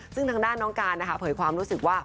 ซึ่งทางด้านน้องการนะคะเผยความรู้สึกว่า